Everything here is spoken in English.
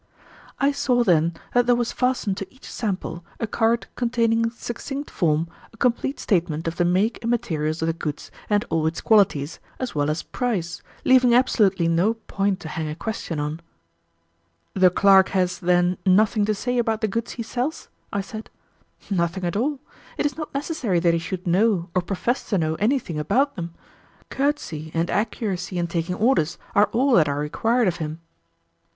I saw then that there was fastened to each sample a card containing in succinct form a complete statement of the make and materials of the goods and all its qualities, as well as price, leaving absolutely no point to hang a question on. "The clerk has, then, nothing to say about the goods he sells?" I said. "Nothing at all. It is not necessary that he should know or profess to know anything about them. Courtesy and accuracy in taking orders are all that are required of him."